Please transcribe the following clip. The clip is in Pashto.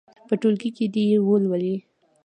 په ټولګي کې دې یې ولولي.